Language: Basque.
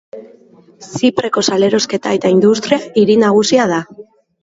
Zipreko salerosketa eta industria hiri nagusia da.